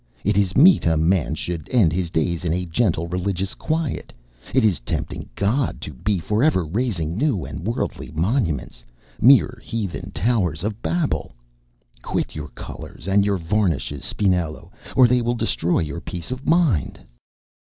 It is meet a man should end his days in a gentle, religious quiet. It is tempting God to be for ever raising new and worldly monuments, mere heathen towers of Babel. Quit your colours and your varnishes, Spinello, or they will destroy your peace of mind."